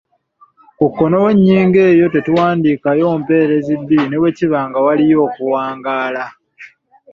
Ku kkono w’ennyingo eyo tetuwandiikayo mpeerezi bbiri ne bwe kiba nga waliyo okuwangaala.